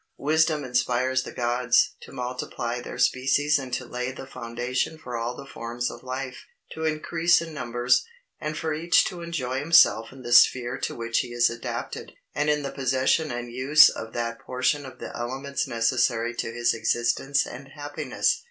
Wisdom inspires the Gods to multiply their species and to lay the foundation for all the forms of life, to increase in numbers, and for each to enjoy himself in the sphere to which he is adapted, and in the possession and use of that portion of the elements necessary to his existence and happiness.